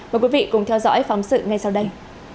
mời quý vị cùng theo dõi phóng sự ngay sau đây